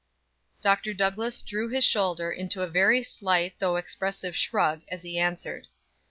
Dr. Douglass drew his shoulder into a very slight though expressive shrug, as he answered.